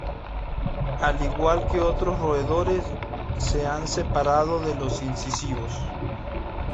Al igual que otros roedores, se han separado de los incisivos.